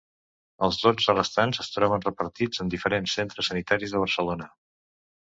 Els dotze restants es troben repartits en diferents centres sanitaris de Barcelona.